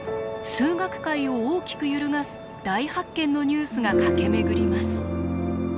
数学界を大きく揺るがす大発見のニュースが駆け巡ります。